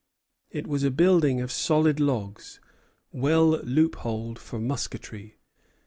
It was a building of solid logs, well loopholed for musketry.